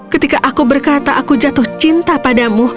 ketika aku berkata aku jatuh cinta padamu